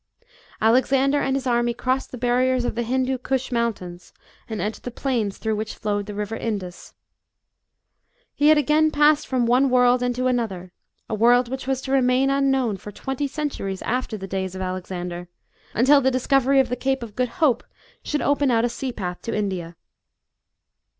Alexander and his army crossed the barriers of the Hindu Rush mountains, and entered the plains, through which flowed the river Indus. He had again passed from one world into another, a world which was to remain unknown for twenty centuries after the days of Alexander, until the discovery of the Cape of Good Hope should open out a sea path to India.